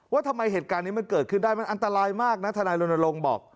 ว่าทำไมเหตุการณ์นี้มันเกิดขึ้นได้มันอันตรายมากนะทนายรณรงค์บอก